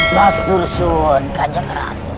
maktur sun kanjeng ratu